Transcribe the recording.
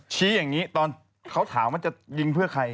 ชี้อย่างนี้ตอนเขาถามว่าจะยิงเพื่อใคร